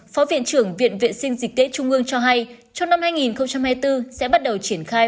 phó viện trưởng viện vệ sinh dịch tễ trung ương cho hay trong năm hai nghìn hai mươi bốn sẽ bắt đầu triển khai